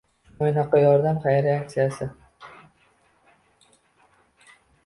“Mo‘ynoqqa yordam” xayriya aksiyasi